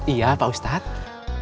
iya pak ustadz